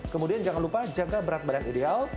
kemudian jangan lupa jaga berat badan ideal